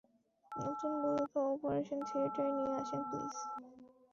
নতুন বধূকে অপারেশন থিয়েটারে নিয়ে আসেন, প্লিজ।